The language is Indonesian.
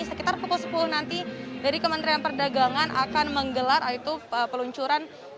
sekitar pukul sepuluh nanti dari kementerian perdagangan akan menggelar yaitu peluncuran